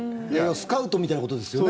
スカウトみたいなことですよね。